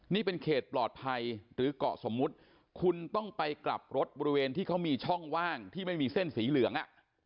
นี่เป็นเขตปลอดภัยหรือเกาะสมมุติคุณต้องไปกลับรถบริเวณที่เขามีช่องว่างที่ไม่มีเส้นสีเหลือง